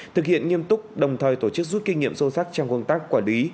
thực hiện nghiêm túc đồng thời tổ chức rút kinh nghiệm sâu sắc trong công tác quản lý